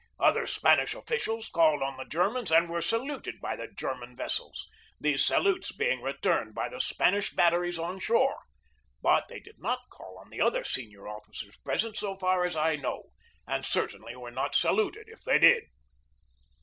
Other Spanish officials called on the Germans and were saluted by the Ger man vessels, these salutes being returned by the Spanish batteries on shore; but they did not call on the other senior officers present so far as I know, and certainly were not saluted if they did.